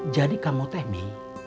jadi kamu teh nih